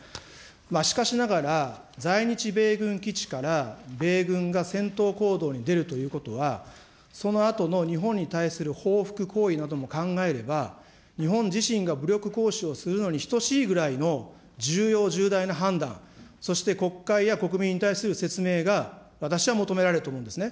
しかしながら、在日米軍基地から米軍が戦闘行動に出るということは、そのあとの日本に対する報復行為なども考えれば、日本自身が武力行使をするのに等しいぐらいの重要、重大な判断、そして国会や国民に対する説明が、私は求められると思うんですね。